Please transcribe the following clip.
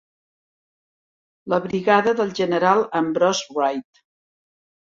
La brigada del General Ambrose Wright.